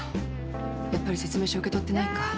やっぱり説明書受け取ってないか。